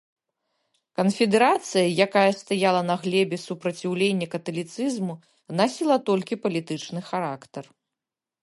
Канфедэрацыя, якая стаяла на глебе супраціўлення каталіцызму, насіла толькі палітычны характар.